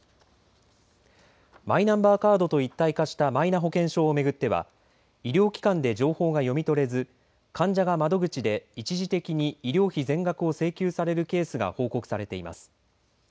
マイナンバーカードと一体化したマイナ保険証を巡っては医療機関で情報が読み取れず患者が窓口で一時的に医療費全額を請求されるケースが報告されています。